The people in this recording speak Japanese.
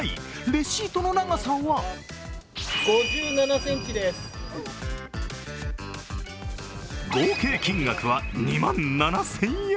レシートの長さは合計金額は２万７０００円。